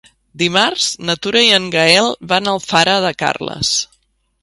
Dimarts na Tura i en Gaël van a Alfara de Carles.